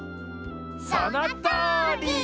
そのとおり！